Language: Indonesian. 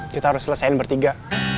kita harus selesain bertiga